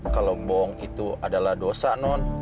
kalau bohong itu adalah dosa non